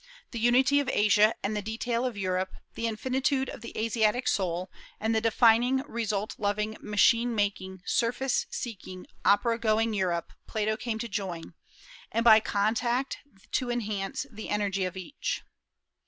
The unity of Asia and the detail of Europe, the infinitude of the Asiatic soul and the defining, result loving, machine making, surface seeking, opera going Europe Plato came to join, and by contact to enhance the energy of each.